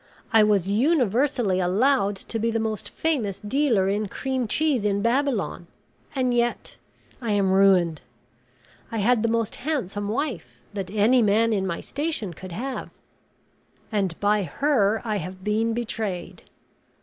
I was universally allowed to be the most famous dealer in cream cheese in Babylon, and yet I am ruined. I had the most handsome wife that any man in my station could have; and by her I have been betrayed.